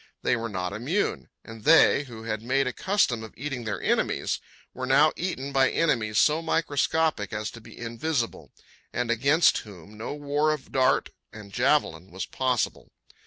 They were not immune. And they, who had made a custom of eating their enemies, were now eaten by enemies so microscopic as to be invisible, and against whom no war of dart and javelin was possible.